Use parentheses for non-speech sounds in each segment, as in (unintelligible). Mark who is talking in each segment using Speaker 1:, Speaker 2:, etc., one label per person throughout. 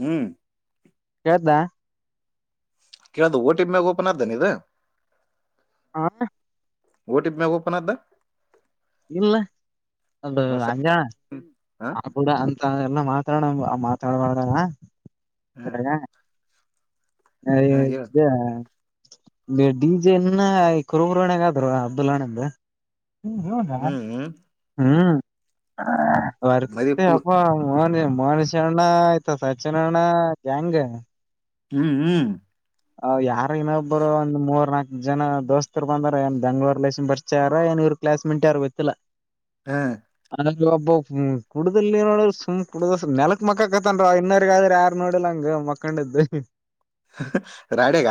Speaker 1: ಹ್ಮ್
Speaker 2: ಕದಾ
Speaker 1: ಕೇಳದು ಟಮ್ಯಾಗ ಓಪನ್ ಅರ್್ದ ನೀ ಇದು
Speaker 2: ಹಾ
Speaker 1: ವೋ ಟಪ್ ಮ ಓಪನ್ದ
Speaker 2: ಇಲ್ಲ ಅದು ಹಂಗಣ
Speaker 1: ಹಾ
Speaker 2: ಆ ಕೂಡ ಅಂತ ಎಲ್ಲ ಮಾತಾಡ ಮಾತಾಡ್ಬಾರ್ದಾರ
Speaker 1: ಹ್ಮ್
Speaker 2: ಇದ್ರ ಹ
Speaker 1: ಹಾ ಹೇಳ
Speaker 2: ಡಿ ಜೆ ಇನ್ನ ಕುರುಬುರುಣಗಾದ್ರು ಅಬ್ದುಲ್ ಹಣಂದ ಹ್ಮ
Speaker 1: ಹ್ಮ್ ಹ್ಮ್
Speaker 2: ಹ್ಮ್
Speaker 1: ಮದಿ
Speaker 2: ವರ್ತ್ತ
Speaker 1: ಫುಲ್
Speaker 2: ಅ ಮೋನಷ್ ಅಣ್ಣ ಆಯ್ತಾ ಸಚಿನ್ ಅಣ್ಣ ಜ್ಯಾಂಗ
Speaker 1: ಹ್ಮ್ ಹ್ಮ್
Speaker 2: ಯಾರ ಇನ್ನೊಬ್ಬರು ಒಂದ್ ಮೂರ್ ನಾಕ್ ಜನ ದೋಸ್ತರು ಬಂದಾರ ಏನ್ ಬೆಂಗ್ಳೂರ್ ಲಸ ಬರ್ತಾರ ಕ್ಲಾಸ್ ಮೆಂಟ್ ಯಾರು ವತ್ತಲ
Speaker 1: ಹ್ಮ್
Speaker 2: ನ ಒಬ್ಬ ಕುಡುದಲ್ಲಿ ನೋಡ ಸುಮ್ ಕುಡುದ ನೆಲಕ್ ಮಕ್ಕಕಕ್ಕತನ್ ಇನ್ನವರ್ಗ ಆದ್ರ ಯಾರ ನೋಡಲ್ಂಗ ಮಕ್ಕಂಡ್ದು
Speaker 1: ರಡೆಗ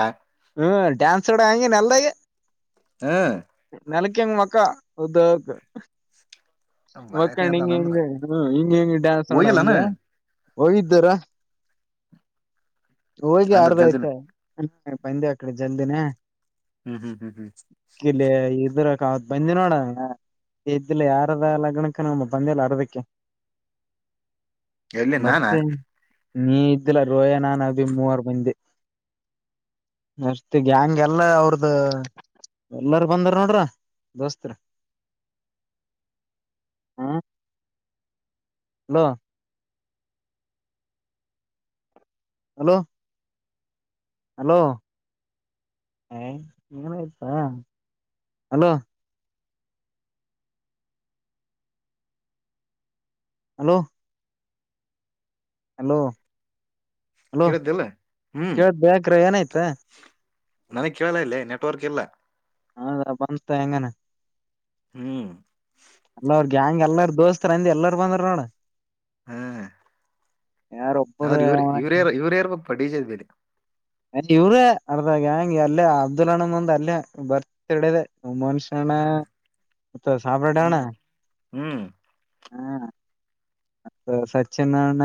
Speaker 2: ಹ್ಮ ಡಾನ್ಸ ಕಡ ಹ ನಲ್ಲದಾಗ
Speaker 1: ಹ್ಮ್
Speaker 2: ನ ಂಗ ಮಕ್ಕಾ ಉದ
Speaker 1: ಬಾರಿ
Speaker 2: ಒಕ್ಕಂಡ್ ಹಿಂಗ
Speaker 1: ಅದಾನ
Speaker 2: ಹೆಂಗ
Speaker 1: ಅಂದ್ರ
Speaker 2: ಹ್ಮ ಹಿಂಗ ಹೆಂಗ ಡ್ಯಾನ್ಸ್ ಮಾಡೋಡ
Speaker 1: ಹೋಗಿಲ್ಲಾನ
Speaker 2: ಹಿಂಗ ಹೋಗಿದ್ದಾರ ಹೋಗಿ
Speaker 1: ಅಂದ್ರ
Speaker 2: ಆಾರ್ದಯ್ತು
Speaker 1: ಜಲ್ದಿನ
Speaker 2: ಹ ಪಂದೆ ಅಡೆ ಜಲ್ದಿ ನ
Speaker 1: ಹ್ಮ್ ಹ್ಮ್ ಹ್ಮ್ ಹ್ಮ್
Speaker 2: ಅವದ್ ಬಂದಿ ನೋಡಣ ಎದ್ದಲಿ ಯಾರದ ಲಗ್ನಕ್ಕ ನಮ್ಮ ಬಂದಿಲ್ಲ ಅರ್ದಕ್ಕೆ ಹ್ಮ್ಮ್.
Speaker 1: ಎಲ್ಲಿ ನಾನ
Speaker 2: ನೀ ಇದುಲ ರೋಯನಾ ನವಿಿ ಮೂವರು ಮುಂದೆ ಮಷ್ಟತಿ್ಯಾಂಗ ಎಲ್ಲ ಅವ್ರದ ಎಲ್ಲಾರು ಬಂದಾರ ನೋಡ್ರ ದೋಸ್ತ್ ಹ್ಮ ಹಲೋ ಹಲೋ ಹಲೋ ಏನ ಆಯ್ತಾ ಅಲೋ ಹಲೋ ಹಲೋ ಹಲೋ
Speaker 1: ಕೇಳಿದ್ದಿಲ್ಲ ಹ್ಮ್
Speaker 2: ಕೇಳ್ದ್ ಬಕ್ರ ಏನಾಯ್ತ
Speaker 1: ನನಗ್ ಕೇಳಲ್ಲ ಇಲ್ಲ ನೆಟ್ವರ್ಕ್ ಎಲ್ಲ
Speaker 2: ಹೌದ ಬಂತ ಹೆಂಗಾನ
Speaker 1: ಹ್ಮ್
Speaker 2: ಗ್ಯಾಂಗ್ ಎಲ್ಲಾರ ದೋಸ್ತರ ಅಂದ ಎಲ್ಲಾರ ಬಂದ್ರ ನೋಡ
Speaker 1: ಹ್ಮ್
Speaker 2: ಯಾರ ಒಬ್ಬರು
Speaker 1: ಆದ್ರ ಇವ್ರರು ಇವ್ರ ಯ ಇವ್ರ ಯಾರ ಪಡಜದ್ ಬೇರೆ
Speaker 2: ಇವ್ರೇ ಅರ್ದ ಗ್ಯಾಂಗ್ ಅಲ್ಲೇ ಅಬ್ದುಲ್ ಅಣ್ಣಂದ್ ಅಂದ ಅಲ್ಲೇ ಬರ್ತ್ಡಡೆದೆ. ಮನ್ಷ್ಯಣ ಮತ್ತೆ ಸಾಬ್ರಡೆಣ.
Speaker 1: ಹ್ಮ್ ಹ್ಮ್
Speaker 2: ಹಾ ಮತ್ತ ಸಚಿನಣ್ಣ.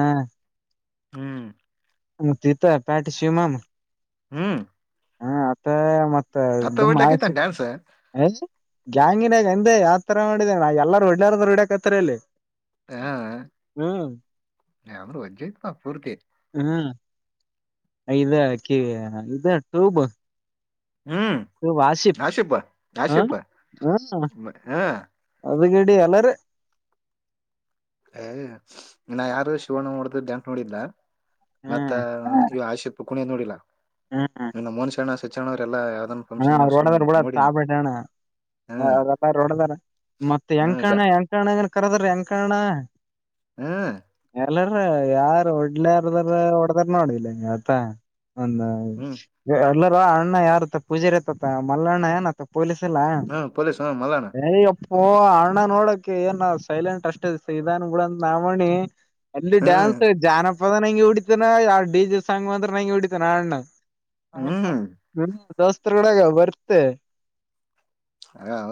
Speaker 1: ಹ್ಮ್
Speaker 2: ಹ ತಿತ ಪ್ಯಟಿ ಶಿವಮಾಮ.
Speaker 1: ಹ್ಮ್
Speaker 2: ಹಾ ಅತ್ತೆ ಮತ್ತೆ
Speaker 1: ಹತ್ತ
Speaker 2: ಡುಂಸ
Speaker 1: ಬಿಡ್ಲಾಕೈತ ಡ್ಯಾನ್ಸ್
Speaker 2: ಅಸಿ ಗ್ಯಾಂಗನ್ಗ. ಮತ್ತೆ ಯಾವ್ತರ ಮಾಡಿದೆ ಅಣ್ಣ ಎಲ್ಲರ ಒಳ್ಳೆಯಾರದ್ ರೀಡಕತ್ತರಿ ಇಲ್ಲಿ.
Speaker 1: ಹಾ
Speaker 2: ಹ್ಮ್
Speaker 1: (unintelligible)
Speaker 2: ಐದಕ ಕೀ ಇದ ಟ್ಯೂಬು.
Speaker 1: ಹ್ಮ್
Speaker 2: ಹಾಸಿಫ್
Speaker 1: ಆಶಿಪ
Speaker 2: ಹ
Speaker 1: ಆಶಿಪ
Speaker 2: ಹ.
Speaker 1: ಹ
Speaker 2: ಉದ್ಕಡ್ಡಿ ಎಲ್ಲರೂ.
Speaker 1: ಹ ನಾಯಾರು ಶಿವಣ ವಡದಿದು (unintelligible) ನೋಡಿದ್ದ. ಮತ್ತ
Speaker 2: ಹ್ಮ್
Speaker 1: ಇವ ಆಶೆಪ್ಪ ಕುಣಿಯದ್ ನೋಡಿಲ್ಲಾ ಇನ್ನ ಮೌನೇಶಣ್ಣ ಸಚನಣ್ಣವ್ರೆಲ್ಲ.
Speaker 2: ಹಣ್ಣ ಅವ್ರ ಓಡದ್ರ ಬುಡು ಸಾಬರಡ ಅಣ್ಣ.
Speaker 1: ಹ
Speaker 2: ಅರಬ್ಬ ರೋಡದರೆ ಮತ್ತೆ
Speaker 1: ಹ
Speaker 2: ಯಂಕಣ
Speaker 1: ಗ
Speaker 2: ಯಂಕಣ ಕರೆದರೂ ಯಂಕಣ್ಣ.
Speaker 1: ಹ್ಮ್
Speaker 2: ಯಾರ್ ಒಡ್ಲಾರದರು ಒಡದಾರ್ ನೋಡ್ದಿಲ್ಲಂಗತ್ತ. ಒಂದ
Speaker 1: ಹ್ಮ್
Speaker 2: ಎಲ್ಲಾರು ಅಣ್ಣ ಯಾರತ್ತ ಪೂಜಾರಿ ತ್ತತ್ತ ಮಲ್ಲಣ್ಣ ಏನತ್ತ ಪೊಲೀಸ್. (unintelligible) ಲ್ಲ
Speaker 1: ಹಾ ಪೊಲೀಸ್ ಹ ಮಲ್ಲಣ್ಣ
Speaker 2: ಸರಿಯೋಪ್ ಓ ಅಣ್ಣ ನೋಡಕ ಏನ್ ಸೈಲೆಂಟು ಅಷ್ಟೆ ಇದನ್ ಬಿಡಂತ ನಾಮಣಿ. ಅಲ್ಲಿ
Speaker 1: ಹ್ಮ್
Speaker 2: ಡ್ಯಾನ್ಸ್ ಜಾನಪದ ನಂಗಿ ಹೊಡಿತನ ಡಿ ಜಿ ಸಾಂಗ್ ಅಂದ್ರ ನಂಗೆ ಹೊಡಿತನ ಅಣ್ಣ. ಹ
Speaker 1: ಹ್ಮ್
Speaker 2: ನಮ ದೋ ದೋಸ್ತರುಗಡಾಗ ಬರತ್ತೇ.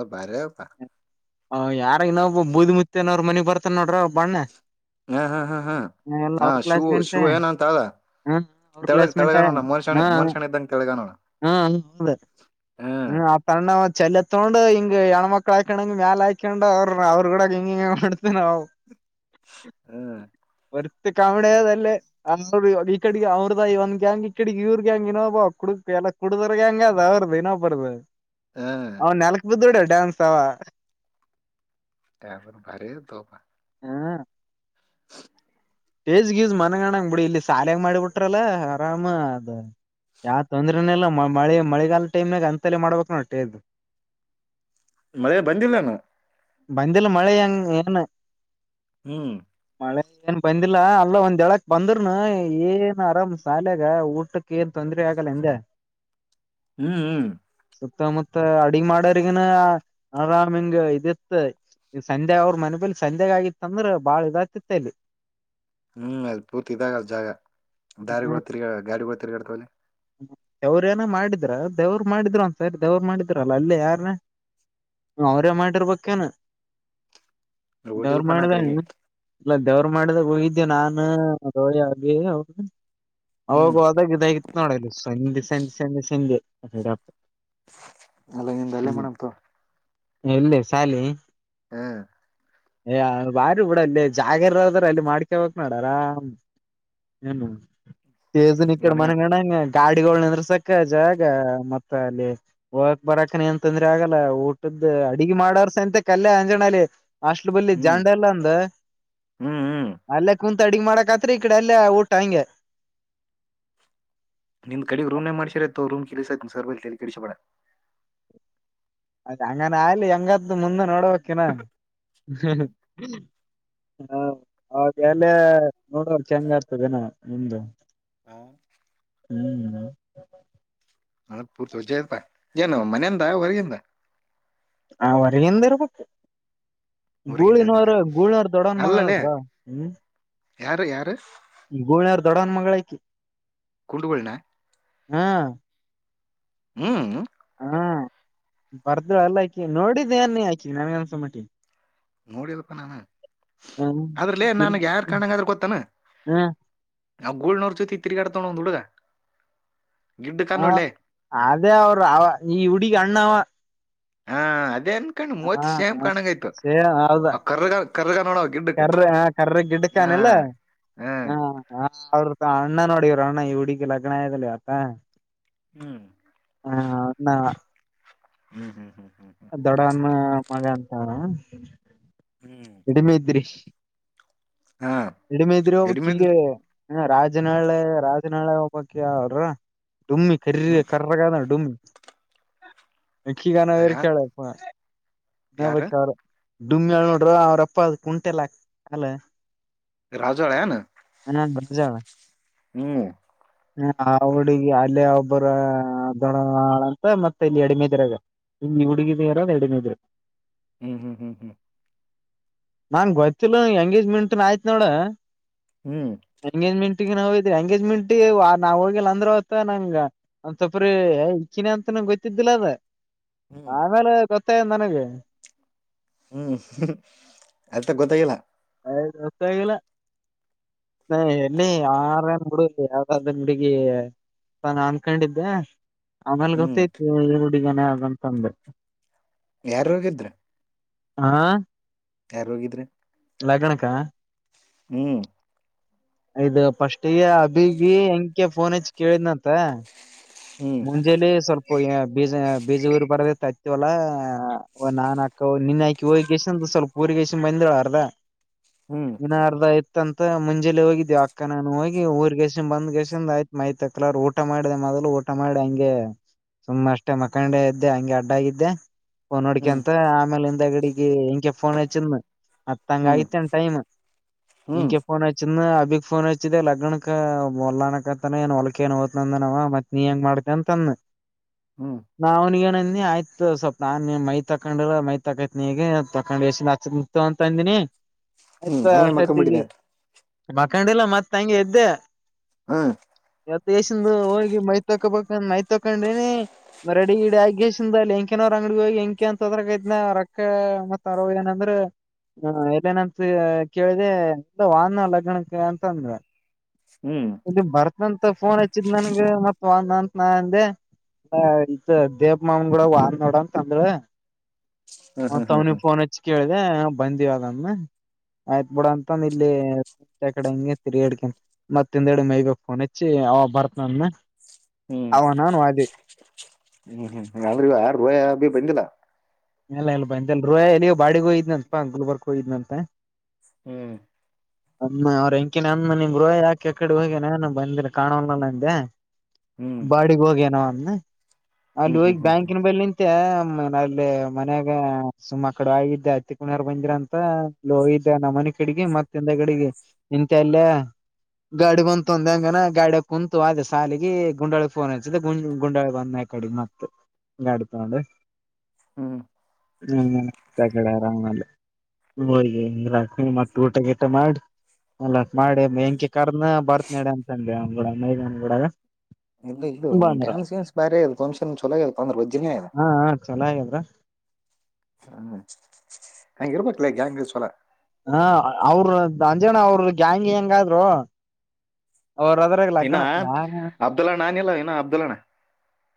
Speaker 1: ಅ ಬಾರಿಪ್ಪ
Speaker 2: ಹ ಯಾರ ಇನ್ನೊಬ್ಬೂದಿ ಮುತ್ತನೋರು ಮನಿ ಬರ್ತನ್ ನೋಡ್ರ ಬಣ್ಣ.
Speaker 1: ಹ ಹ ಹಾ ಹಾ
Speaker 2: ಎಲ್ಲ
Speaker 1: ಹ
Speaker 2: ಅವ್ರ
Speaker 1: ಶಿವು
Speaker 2: ಕ್ಲಾಸ್ಮೇಟ್
Speaker 1: ಶಿವು ಏನಂತ ಅದ.
Speaker 2: ಹ ಅವ್ರ
Speaker 1: ತೆಳುಗ್
Speaker 2: ಕ್ಲಾಸ್ಮೇಟ್
Speaker 1: ತೆಲುಗಾಣ ಮೋನಿಶ ಮೋನಿಶಣ್ಣ ಇದ್ದಂಗ ತಲಗಾಣ.
Speaker 2: ಹಂಕುಲೆ ಏ ಸಣ್ಣವ. ಚಲ್ಲತ್ತೋಂಡು ಹಿಂಗೆ ಹೆಣಮಕ್ಕಳ ಆಕಂಡಂಗೆ ಹಂಗ್ ಮ್ಯಾಲ ಆಕೊಂಡು ಅವ್ರರು ಅವರು ಕೂಡ ಹಿಂಗ್ ಹಿಂಗೆ ಮಾಡ್ತೇನವು.
Speaker 1: ಹ್ಮ್
Speaker 2: ಬರಿ (unintelligible) ತ್ತಿ ಕಾಮಡಿಯದಿಲ್ಲಿ ಅವ ಈ ಕಡೆ ಅವ್ರದ ಒಂದ್ ಗ್ಯಾಂಗ್ ಈ ಕಡೆ ಇವ್ರ ಗ್ಯಾಂಗ್ ಇನೋಬ ಕುಡುಕ್ ಎಲ್ಲ ಕುಡ್ದೋರ್ ಗ್ಯಾಂಗ್ ಅದ ಅವ್ರದು ಇನೋಬ್ರುದು ಅವ್
Speaker 1: ಹ್ಮ್
Speaker 2: ನೆಲಕ್ ಬಿದ್ದ್ ಡ ಡಾನ್ಸ್ವಾ
Speaker 1: ಯ ಭಾರಿ ತೋಪ್ಪ.
Speaker 2: ಸ್ಟೇಜ್ ಗೀಜ್ ಮನ್ಗಣಂಗ್ ಬಿಡಿ ಇಲ್ಲಿ ಶಾಲೆಗ ಮಾಡಿಬಿಟ್ರಲ್ಲ ಆರಾಮ ಅದ. ಯಾವ ತೊಂದ್ರೆನು ಇಲ್ಲ ಮ ಮಳೆ ಮಳೆಗಾಲ ಟೈಮ್ನಾಗ ಅಂತಲ್ಲಿ ಮಾಡ್ಬೇಕ್ ನೋಡು ಟೇಲ್ದು.
Speaker 1: ಮಳೆ ಬಂದಿಲ್ಲಯೇನೊ.
Speaker 2: ಬಂದಿಲ್ಲ ಮಳೆ ಹೆಂಗ್ ಏನು.
Speaker 1: ಹ್ಮ್
Speaker 2: ಮಳೆ ಏನ್ ಬಂದಿಲ್ಲ ಅಲ್ಲ ಒಂದೆಳಕ್ ಬಂದ್ರನು ಏನ್ ಆರಾಮ್ ಸಾಲಯಾಗ ಊಟಕ್ಕೆ ಏನ್ ತೊಂದ (unintelligible) ದ್ರೆ ಆಗಲ್ಲ ಎಂದೆ.
Speaker 1: ಹ್ಮ್ ಹ್ಮ್
Speaker 2: ಸುತ್ತಮುತ್ತ ಅಡಗ್ ಮಾಡ್ಯರಿಗುನ ಆರಾಮ್ ಹಿಂಗ ಇದ ಈತ್ (unintelligible) ತ್ ಸಂಡೆ ಅವ್ರ ಮನೆಬೇಲಿ ಸಂಜೆಗಾಗಿತ್ತ ಅಂದ್ರೇ ಬಾಳ್ ಇದಾಗತಿತ್ತ ಇಲ್ಲಿ.
Speaker 1: ಹ್ಮ್ ಅದ ಪೂರ್ತಿ ಇದಾಗ ಅದ ಜಾಗ ದಾರಿಗಳು ತಿರ್ಗಾ ಗಾಡಿಗಳು ತಿರ್ಗಾಡ್ತಾವಲ್ಲಿ.
Speaker 2: ದವ್ರೇಏನೋ ಮಾಡಿದ್ರ ದೇವ್ರ ಮಾಡಿದ್ರ ಒಂದ್ ಸರಿ ದೇವ್ರ ಮಾಡಿದ್ರಲ್ಲ ಅಲ್ಲೇ ಯಾರನ. ಅವ್ರೇ ಮಾಡಿರ್ಬೇಕೇನ ದೇವ್ರ
Speaker 1: ಹೋಗಿಲ್ಪಾ ನಾ
Speaker 2: ಮಾಡ್ದೇ
Speaker 1: ಕಡೆಗೆ
Speaker 2: ಇನ. ಇಲ್ಲ ದೇವ್ರು ಮಾಡಿದಾಗ ಹೋಗಿದ್ದೇ ನಾನು ರೋಳಿ ಆಬಿ ಅವ್ರುದು. ಅವಾಗ
Speaker 1: ಹ್ಮ್
Speaker 2: ಹೋದಾಗ ಇದಾಗಿತ್ತು ನೋಡಲ್ಲಿ ಸಂಜೆ ಸಂಜೆ ಸಂಜೆ ಸಂಜೆಡಪ್ಪ.
Speaker 1: ಅಲ್ಲಿಗಿಂದ ಅಲ್ಲೇ ಮಾಡಂತೊ.
Speaker 2: ಎಲ್ಲಿೇ ಶಾಲಿ
Speaker 1: ಹ್ಮ್
Speaker 2: ಯ ಬಾರಿ ಬಿೂಡ ಅಲ್ಲಿೇ ಜಾಗರದ್ರ ಅಲ್ಲಿ ಮಾಡ್ಕವಕ್ ನೋಡ ಆರಾಮ್ ಹಏನು ತೇಜುಿನ ಇಕಡೆ
Speaker 1: ಮನ್ಗ
Speaker 2: ಮನೆಗೆ ಕಣಂಗ ಗಾಡಿಗಳ ನಿಂದ್ರಸಕ ಜಾಗ ಮತ್ತ ಅಲ್ಲಿ ಹೋಗಕ್ ಬರಕ ಏನ್ ತಂದ್ರೆ ಆಗಲ್ಲ ಊಟದ ಅಡಿಗೆ ಮಾಡೋರ್ ಸಂತೆ ಕಲ್ಲ ಅಂಜನಲ್ಲಿ ಅಸ್ಲ್ ಬಲ್ಲಿಿ
Speaker 1: ಹ್ಮ್
Speaker 2: ಜಾಂಡ ಎಲ್ಲ ಅಂದ
Speaker 1: ಹ್ಮ್ ಹ್ಮ್
Speaker 2: ಅಲ್ಲ ಕು ಅಡಿಗ್ ಮಾಡಕತ್ರಿ ಈ ಕಡೆ ಅಲ್ಲೇ ಊಟ ಹಂಗೆ
Speaker 1: ನಿನ್ ಕಡೆಗೆ ರೂಮ್ ಮಾಡಿಸರತ್ತೋ ರೂಮ್ ಕಿಲಿಸ ಸರ್ಬ ತೇಿಡಿಸಬೇಡ
Speaker 2: ಅದ ಹಂಗಾನ ಆಗ್್ಲಿ ಹೆಂಗ್ದು ಮುಂದ ನೋಡಬೇಕಕಿನ
Speaker 1: ಹ್ಮ್
Speaker 2: ಹ ಅವಾಗ ಎಲ್ಲ ನೋಡೋ ಚಂಗ ಆಗ್ತದನ ನಿಮ್ದು
Speaker 1: ಹಾ
Speaker 2: ಹ್ಮ್
Speaker 1: ನ ಪೂರ್ತಿಜ ಆಯತಾ ಏನು ಮನೆಯಿಂದ ಹೊರಗಿಂದ
Speaker 2: ಆ ಅವರಂದರ ಪು
Speaker 1: ಹೊರಗಿಂದ ಅದಂಗ
Speaker 2: ಗೂಳಿನವರು ಗೂಳಿನವ್ರ ದೊಡ್ಡವನ್
Speaker 1: ಅಲ್ಲಲೇ
Speaker 2: ಮಗಲ್ವಾ ಹ್ಮ್
Speaker 1: ಯಾರು ಯಾರು
Speaker 2: ಗೂಳಿಯಾರ್ ದೊಡ್ಡನ್ ಮಗಳಕ
Speaker 1: ಕುೊಂಡಕೊಳ್ಳಣ
Speaker 2: ಹ್ಮ್
Speaker 1: ಹ್ಮ್
Speaker 2: ಹಾ ಬರ್ದ ಅಲ್ಲ ಆಾಕಿ ನೋಡಿದ್ದ ಏನ್ ಆಾಕ ನನ್ಗೆ ಅನ್ಸಂಬಿಟ್ಟೀನಿ
Speaker 1: ನೋಡಿಲ್ ಅದ್ರಲ್ಲೇ ನನ್ಗೆ
Speaker 2: ಹ್ಮ
Speaker 1: ಯಾರ್ ಕಣಂಗ ಆದ್ರ ಗೊತ್ತಾನ ಆ ಗೋಲ್ ನೋರ್ಚೋ ಇ ತಿರಿ ಕಾಡ ತೋಣ ಹೊಂದುಡಗ
Speaker 2: ಹಾ ಅದೇ ಅವರು ಅವ ಈ ಹುಡಗ ಅಣ್ಣವ
Speaker 1: ಹಾ ಅದೇ ಅನ್ಕಂಡು
Speaker 2: ಹ
Speaker 1: ಮೂವತ್ ಶೇಮ್
Speaker 2: ಹ
Speaker 1: ಕಾಣಂಗಯ್ತು
Speaker 2: ಸೇ ಹೌದ
Speaker 1: ಅಕ್ಕರ್ಗ
Speaker 2: ಕರ್ರ ಹ ಕರ್ರ ಗಿಡ್ಡ
Speaker 1: ಹ
Speaker 2: ಕಾನಿಲ್ಲ ಹ ಅವ ಅಣ್ಣ ನೋಡವ್ರರು ಅಣ್ಣ ಈ ಹುಡಗಿ ಲಗ್ನ ಆಯಲಿ ಆತ
Speaker 1: ಹ್ಮ್
Speaker 2: ಹಾ
Speaker 1: ಹ್ಮ್ ಹ್ಮ್ ಹ್ಮ್ ಹ್ಮ್ ಹ್ಮ್
Speaker 2: ದೊಡ್ಡವನ
Speaker 1: (unintelligible)
Speaker 2: ಮಗ ಅಂತಾರ
Speaker 1: ಹ್ಮ್
Speaker 2: ಕಡಿಮೆ ಇದ್ರಿ
Speaker 1: ಹಾ
Speaker 2: ಇಡಮ ಎದುರಾ ವಕ್ಕಿಲ್ಲ
Speaker 1: ಎಡಿಮೇದ
Speaker 2: ಇ ರಾಜನಹಳೆ ರಾಜನಾಹಳೆ ಹಬ್ಬಕ ಯ್ರ ಡುಮ್ಮಿ ಕರ
Speaker 1: ಹ್ಮ್
Speaker 2: ಕರ್ರಗದ ಡುಮ್ಮಿ ಕ್ಕಿ ಗಾನ ಅವರು
Speaker 1: ಯ
Speaker 2: ಕೇಳ ನ
Speaker 1: ಯಾರ
Speaker 2: ಬ ಅವ್ರ ಡುಮ್ಯಾಳ ನೋಡ್ರ ಅವ್ರಪ್ಪ ಅದ ಕುಂಟೆ ಎಲ್ಲ ಹಾಕ್ಲ
Speaker 1: ರಾಜಳನು
Speaker 2: ಹಜಳ
Speaker 1: ಹ್ಮ್
Speaker 2: ಹುಡುಗಿ ಅಲ್ಲೇ ಒಬ್ಬರ ದೊಣಳ ಅಂತ ಮತ್ತ ಇಲ್ಲಿ ಎಡಿಮೆ ಇದಿರಾಗ ನಿಮ ಹುಡುಗಿದರ ಎರಡನ ಇದ್ರ
Speaker 1: ಹ್ಮ್ ಹ್ಮ್ ಹ್ಮ್ ಹ್ಮ್
Speaker 2: ನಾ ಗೊತ್ತಿಲ್ಲ ಎಂಗೇಜ್ಮೆಂಟ್ನ್ ಆಯ್ತ್ ನೋಡ
Speaker 1: ಹ್ಮ್ ಹ್ಮ್
Speaker 2: ಎಂಗೇಜ್ಮೆಂಟ್ ಹಿದ್ರಿ ಎಂಗೇಜ್ಮೆಂಟ್ ನಾವ್ ಹೋಗಿಲ್ಲ ಅಂದ್ರ ಅವ ನಂಗ ಅಂತಪ್ರ ಇಕ್ಕಿನ ಅಂತ ಗೊತ್ತಿದ್ದಿಲ್ಲ ಅದ
Speaker 1: ಹ್ಮ್
Speaker 2: ಆಮೇಲೆ ಗೊತ್ತಾಯ ನನಗೆ
Speaker 1: ಹ್ಮ್ ಅದತ ಗೊತ್ತಾಗಿಲ್ಲ
Speaker 2: ಅ ದಸಲ್ಲ ನ ಎಲ್ಲಿ ಯರೇಏನ್ ಬಿಡ ಯಾವ್ದ್ದನ್ ಬಿಡಗಿ ತಾನಾ ಅನ್ಕೊಂಡಿದ್ದೆ ಆಮೇಲೆ
Speaker 1: ಹ್ಮ್
Speaker 2: ಗೊತ್ತೈತಿ ಹಡಿಗನ ಅಂತ ಅಂದ್ರ
Speaker 1: ಯಾರ್ ರೋಗಿದ್ರೆ
Speaker 2: ಆಾ
Speaker 1: ಯಾರ್ ಹೋಗಿದ್ರಿ
Speaker 2: ಲಗನಕ
Speaker 1: ಹ್ಮ್
Speaker 2: ಇಯದು ಪಸ್ಟ್ಗ ಅಬಿಗಿ ಹೆಂಕ ಫೋನ್ ಹೆಚ್ಚ ಕೇಳಿದ್ನಂತ
Speaker 1: ಹ್ಮ್
Speaker 2: ಮುಂಜೆಯಲ್ಲ ಸ್ವಲ್ಪ ಬಜ ಬೀಜ ಊರ್ ಬರದತ್ತ್ತವಲ್ಲ ನಾನನ್ ಅಕ್ಕ ನಿನ್ಾಕಿ ಹೋಗಿ ಸ್ವಲ್ಪ ಊರಿಗೇಶ ಬಂದಿಳ ಅರ್ಧ
Speaker 1: ಹ್ಮ್
Speaker 2: ವನ ಅರ್ಧ ಇ ಅಂತ ಮುಂಜೆಲಿ ಹೋಗಿದೀವಿ ಅಕ್ಕನಾನ ಹೋಗಿ ಊರ್ ಗಸಿನ್ ಬಂದ್ಗೆಸನ್್ ಆಯ್ತ್ ಮೈತ್ತಕ್ಲಾರ ಊಟ ಮಾಡಿದೆ ಮದ್ಲು ಊ ಕಷ್ಟ ಮಾಡ ಹಂಗೆ ಸುಮ್ಮ್ ಅಷ್ಟೇ ಮಖಂಡೇ ಇದ್ದೆ ಹಗೆ ಅಡ್ಡ ಆಗಿದ್ದೆ ಒಂದೋಡಿಕೆ
Speaker 1: ಹ್ಮ್
Speaker 2: ಅಂತ ಆಮೇಲೆ ಹಿಂದ ಅಡಿಗೆ ಫೋನ್ಿ ಅತ್ತಂಗ
Speaker 1: ಹ್ಮ್
Speaker 2: ಆಯತೆ ೈಮ್
Speaker 1: ಹ್ಮ್
Speaker 2: ಇಂಕಫೋನ್ ಬಿಗ್ ಫೋನ್ ಹಚ್ಚಿದೆ ಲಗ್ನಕ ಹೊಲ್ಲನಕತ ಏ ಹೊಲಕ ಏನ್ ್ನಂದನವ ಮತ್ತೆ ನೀ ಹೆಂಗ ಮಾಡ್ಕಂತ ಅಂದ
Speaker 1: ಹ್ಮ್
Speaker 2: ನಾವನಿಗನ ಆಯ್ತು ಸ್ವಲ್ಪ ನಾನ್ ಮೈ ತಕೊಂಡಿಲ್ಲ ಮೈ ತಕೈತ್ ನೀ ತಕೊಂಡ್ ಎಷ್ಟ ಹ ನಿತ್ ಅಂತ ಅಂದಿನಿ
Speaker 1: ಹ್ಮ್
Speaker 2: ಆಯ್ತು
Speaker 1: ಹಂಗೆ
Speaker 2: ಅರ್ಷ್ಟೈತಿಗಿ
Speaker 1: ಮಕ್ಕಂಬಿಟ್ಟಿದೆ
Speaker 2: ಮಕಂಡಿಲ್ಲ ಮತ್ತ ಹಂಗೆ ಎದ್ದೆ
Speaker 1: ಹ್ಮ್
Speaker 2: ಇವತ್ ಎಸಂದು ಹೋಗಿ ಮೈ ಹಬೇಕ ನೈತ್ ತಕೊಂಡ ರೆಡಿಗಡಿ ಆಗೇಶ ಅ ಎಂಕನವ್ರ ಅಂಗಡಿ ಹೋಗಿ ಎಂಕ ಅಂತದೈನ ರೊಕ್ಕ ಮತ್ ಅರ ಏನಂದ್ರೆ ಹ್ಮ ಎಲ್ಲೇನಂತ ಕೇಳಿದೆ ಎಲ್ಲ ವಾಹನ ಲಗ್ನಕ್ಕೆ ಅಂತ ಅಂದ
Speaker 1: ಹ್ಮ್
Speaker 2: ಇ ಬರ್ತಂತ ಫೋನ್ ಹಚ್ಚಿದ್ ನನ್ಗ ಮತ್ ಒಂದ ಅಂತ ನ ಅಂದೆ ಅಲ್ಲ ಇ ದೇಪ ಮಾವನ್ ಕೂಡ ವಾರ ನೋಡ ತಂದರು
Speaker 1: ಹ್ಮ್ ಹ್ಮ್ ಹ್ಮ್
Speaker 2: ಮತ್ವ್ನಿಿಗೆ ಫೋನ್ ಹಚ್ ಕೇಳ್ದ ಬಂದಿವಾಗಮ್ಮ ಆಯ್ತ್ ಬಿೇಡ ಅಂತಂದ ಇಲ್ಲಿ ಕಡೆ ಹಗೆ ತಿರಿಾಡ್ಕನ್ ಮತ್ ತಿಂದೆಡು ಮೈಗ ಫೋನ್ ಹೆಚ್ಚಿ ಅವ ಬರ್ತ್ಂದ
Speaker 1: ಹ್ಮ್ ಹ್ಮ್ ಹ್ಮ್ ಅ್ರೂ ಆರ್ ದೋಯ ಭೀ ಬಂದಿಲ್ಲ
Speaker 2: ಎಲ್ಲ ಇಲ್ ಬಾ ಎ ರೋಯ ಎಲ್ಲಿಯೋ ಬಾಡಿಿಗೆ ಹೋಗಿದ್ನಪ ಗುಲ್ಬರ್ಗ್ ಹೋಗಿದ್ನಂತ
Speaker 1: ಹ್ಮ್
Speaker 2: ಅಮ್ಮ ಅವ್ರ ಹೆಂಕಿನ ಅಂದ ನಿಮ್ ಗೃೋಿಾಕಿ ಅ ಕಡೆ ಹೋಗಿನ ಬಂದಿ ಕಾಣೋಲ್ಲಲ್ಲಂದೆ
Speaker 1: ಹ್ಮ್
Speaker 2: ಬಾಡಗ್ ಹೋಗೇನ ಅಲ್ಲಿ
Speaker 1: ಹ್ಮ್
Speaker 2: ಹೋಗಿ
Speaker 1: ಹ್ಮ್ ಹ್ಮ್ ಹ್ಮ್
Speaker 2: ಬ್ಯಾಂಕಿನ ಬಳ ನಿಂತ ಹ್ಮ ನ್ದೇ ಮನ್ಯಾಗ ಸುಮ್ಮ್ ಆ ಕಡೆ ಆಗಿದ್ದೆ ಹತ್ತಿ ಕುಣಾರ್ ಬಂದಿರ ಅಂತ ಹೋಗಿದ್ದೆ ನಮ್ಮ ಮನೆ ಕಿಡಗಿ ಮತ್ತೆ ಕಡೆಗೆ ನಿಂತ ಎಲ್ಲ ಗಾಡಿ ಬಂತು ಅಂದ ಹಂಗನ ಗಾಡ ಕುಂತು ಅೇ ಸಾಲಿಗೆ ಗುಂಡಾಳ ಫೋನ್ ಅಸಿದೆ ಗುಂಡ ಗುಂಡಾಳಗ್ ಬಂದ ಕಡೆ ಮ ಗಾಡಿ ತಗೊಂಡು
Speaker 1: ಹ್ಮ್
Speaker 2: ಹ್ಮ ತಗಡೆ ಆರಂಗಲ್ಲ ಹ ಹಾ ಮತ್ತ ಊಟ ಗೇಟ ಮಾಡಿ ಅಲ್ಲತ್ ಮಾಡಿ ಹೆಂಕ ಕರ್ನ ಬರ್ತ್ ನಡಿ ಅಂತನ್ ಅವ್ ಕೂಡ ಮೈನ್ ಕೂ
Speaker 1: ಇಲ್ಲ ಇದು ಡ್ಯಾನ್ಸ್ ನ್ಸ್ ಬರೆ ಇದು ಫಂಕ್ಷನ್ ಚಲಾಗ ಇ ಅಂದ್ರೆ ಒಜ್ಜಿನ ಇದು
Speaker 2: ಹಾ ಚಲೋ ಆಗಿದ್ರ
Speaker 1: ಹ್ಮ್ ಹಂಗ ಇರ್ಬೇಕಕ್ಲ ಹೆಂಗ ಸಲ
Speaker 2: ಹ ಅವರು ಅಂಜಣ ಅವರು ಗ್ಯಾಂಗ್ ಹೆಂಗಾದ್ರು ಅವದರ
Speaker 1: ಇನ್ನ
Speaker 2: ಲಕ್ಕಣ ಯಾರ
Speaker 1: ಅಬ್ದುಲ್ ಅಣ್ಣ ಅನಿಲ್ಲ ಇನ್ನ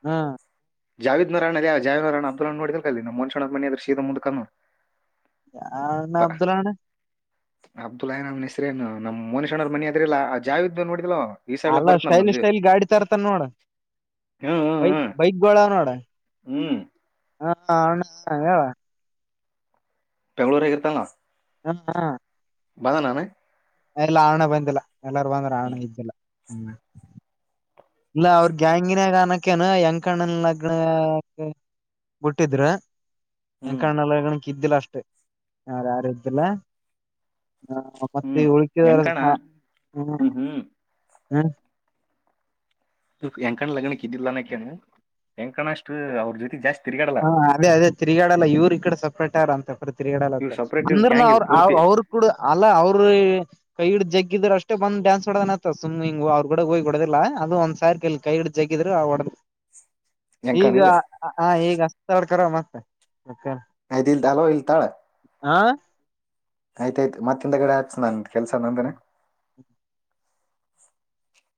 Speaker 2: ಹ್ಮ
Speaker 1: ಜಾವೇ್ ನಾರಾಯಣ ಅದ ಯ ಜಾವೇ್ ನಾರಾಯಣ ಅಬ್ದುಲ್ ನೋಡಿದಲ್ ಕ ನಮ್ಮ ಮನ್ಷನ ಮನ ಅ್ರ ಶೀದ ಮು್ ಕು
Speaker 2: ಯನ್್ಣ ಅಬ್ದುಲ್ಲಣ
Speaker 1: ಅಬ್ದುಲ್ಾನಾಮ್ ಹೆಸೇ ನಮ್ಮ ಮೋನೇಶ್ಣ್ಣ್ ಮಿ ಅದ್ರಿಲ್ಲಲ್ಲ ಆ ಜಾವ ಇದ್ದ ನೋಡಿದಲ್ವ ಈ ಸರ್ಲಕ್
Speaker 2: ಅಲ್ಲ
Speaker 1: ಬರ್ತ್ನಲ್
Speaker 2: ಸ್ಟೈಲ್
Speaker 1: ನಮ್ಜು
Speaker 2: ಸ್ಟೈಲ್ ಗಾಡಿ ತರ್ತಾನ ನೋಡ
Speaker 1: ಹ್ಮ್ ಹ್ಮ್
Speaker 2: ಬೈಕ್
Speaker 1: ಹ್ಮ್
Speaker 2: ಬೈಕ್
Speaker 1: ಹ್ಮ್
Speaker 2: ಹಾ ಅ್ಣ ಹೇಳ
Speaker 1: ಬೆಂಗಳೂರಾಗ್ ಇರ್ತಾನ್.
Speaker 2: ಹಾ ಹಾ.
Speaker 1: ಬಂದನನ
Speaker 2: ಇಲ್ಲ ಆ ಅಣ್ಣಾ ಬಂದಿಲ್ಲ ಎಲ್ಲಾರೂ ಬಂದಾರ ಆ ಅಣ್ಣಾ
Speaker 1: ಹ್ಮ್
Speaker 2: ಇದ್ದಿಲ್ಲ ಹ್ಮು. ಇಲ್ಲ ಅವ್ರ ಗ್ಯಾಂಗಿನ (unintelligible) ಬುಟ್ಟಿದ್ರ
Speaker 1: ಹ್ಮ್
Speaker 2: ಯಂಕಣ್ಣನ ಲಗ್ನಕ್ ಇದ್ದಿಲ್ಲ ಅಷ್ಟೇ ಯಾರ ಯಾರು ಇದ್ದಿಲ್ಲ.
Speaker 1: ಹ್ಮ್ ಹೆಂಕಣ ಹ್ಮ್ ಹ್ಮ್
Speaker 2: (unintelligible)
Speaker 1: ಯಂಕಣ್ಣ ಲಗ್ನಕ್ ಇದ್ದಿಲ್ಲ ಅನಕೇನ ಯಂಕಣ್ಣ ಅಷ್ಟ ಅ ಅವ್ರ ಜೊತೆ ಜಾಸ್ತ
Speaker 2: ಹಾ ಅದೇ ಅದೇ ತಿರ್ಗ್ಯಾಡಲ್ಲ ಇವ್ರ ಈ ಕಡೆ ಸಪ್ರೇಟ್ (unintelligible) ಅಂತು. ಅದು ತಿರ್ಗ್ಯಾಡಲ್ಲ
Speaker 1: ಇವ್
Speaker 2: ಅತ್
Speaker 1: ಸಪ್ರೇಟ್ ಇವ್
Speaker 2: ಅಂದ್ರನು
Speaker 1: ಗ್ಯಾಂಗ್
Speaker 2: ಅವ್ರ
Speaker 1: ಇದು ಪೂರ್ತಿ
Speaker 2: ಅವ್ರ ಕೂಡ ಅಲ್ಲ ಅವ್ರಿ ಕೈ ಹಿಡದ ಜಗಿದ್ರ ಅಷ್ಟೇ ಬಂದ್ ಡ್ಯಾನ್ಸ್ ಮಾಡ್ತಾನತ್ತ್ ಸುಮ್ ಹಿಂಗ ಅವ್ರ ಗುಡ ಹೋಗಿ ಹೋಡದಿಲ್ಲ ಅದು ಒಂದ (unintelligible) ಜಗ್ಗಿ ಇದರ್ ಆಗ್ಬಾರ್ದ್
Speaker 1: ಹೆಂಗ್
Speaker 2: ಈಗಾ
Speaker 1: ಕಾಣಿಲ್ಲ
Speaker 2: ಆ ಈಗಾ (unintelligible)
Speaker 1: ಆಯ್ತ್ (unintelligible)
Speaker 2: ಹಾ
Speaker 1: ಆಯ್ತ್ ಆಯ್ತ್ ಮತ್ತ್ ಹಿಂದಾಗಡೆ ಹಚ್ಚ ನಂಗ್ (unintelligible)